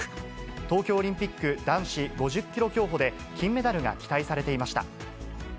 東京オリンピック男子５０キロ競歩で、金メダルが期待されていました。